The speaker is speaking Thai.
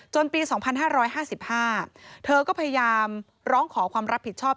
ปี๒๕๕๕เธอก็พยายามร้องขอความรับผิดชอบ